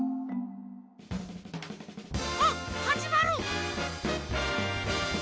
あっはじまる！